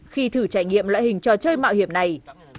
khi thử trải nghiệm loại hình trò chơi mạo hiểm này